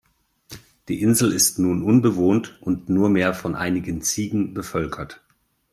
Die Insel ist nun unbewohnt und nur mehr von einigen Ziegen bevölkert.